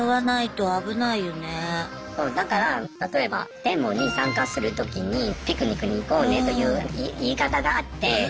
そうだから例えばデモに参加するときに「ピクニックに行こうね」という言い方があって。